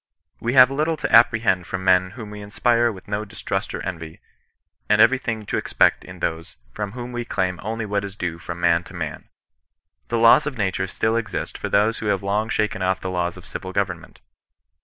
We have little to apprehend from men whom we inspire with no distrust or envy, and everything to expect in those &om whom we claim only what is due from man to man. The laws of nature still exist for those who have long shaken off the laws of civil government.